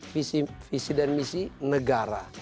visi dan misi negara